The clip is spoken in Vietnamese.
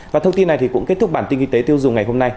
và thông tin này cũng kết thúc bản tin kinh tế tiêu dùng ngày hôm nay